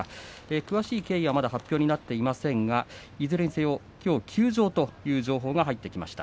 詳しい経緯はまだ発表になっていませんがいずれにせよ、きょう休場という情報が入ってきました。